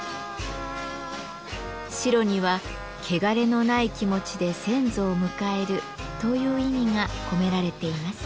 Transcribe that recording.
白には「けがれのない気持ちで先祖を迎える」という意味が込められています。